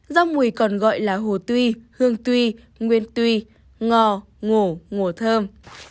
rau mùi còn gọi là hồ tuy hương tuy nguyên tuy ngò ngổ ngổ thơm